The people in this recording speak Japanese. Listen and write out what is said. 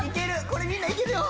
これみんないけるよ！